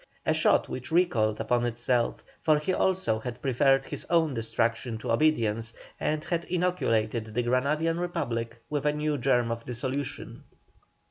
A shot which recoiled upon himself, for he also had preferred his own destruction to obedience, and had inoculated the Granadian Republic with a new germ of dissolution.